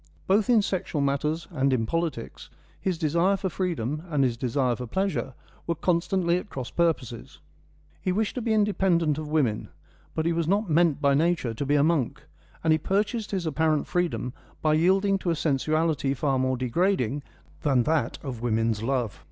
Both in sexual matters and in politics, his desire for freedom and his desire for pleasure were constantly at cross purposes. He wished to be independent of women ; but he was not meant by nature to be a monk, and he purchased his apparent freedom by yielding to a sensuality far more degrading than that of women's love.